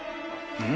うん？